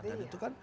dan itu kan